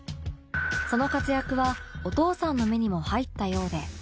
その活躍はお父さんの目にも入ったようで